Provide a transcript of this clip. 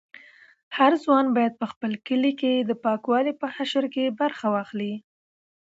هر ځوان باید په خپل کلي کې د پاکوالي په حشر کې برخه واخلي.